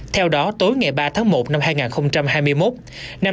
theo đó tối ngày ba tháng một năm hai nghìn hai mươi một